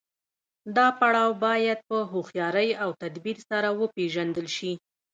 دا پړاو باید په هوښیارۍ او تدبیر سره وپیژندل شي.